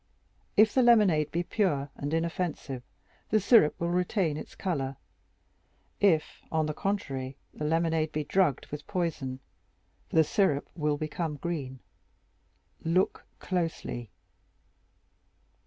If the lemonade be pure and inoffensive, the syrup will retain its color; if, on the contrary, the lemonade be drugged with poison, the syrup will become green. Look closely!"